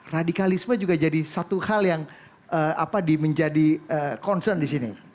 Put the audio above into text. radikalisme juga jadi satu hal yang menjadi concern di sini